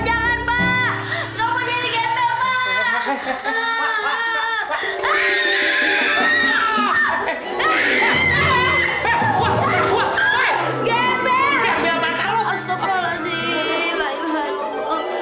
ya allah pak saya mimpi orang jelek